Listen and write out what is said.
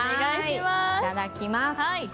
いただきます。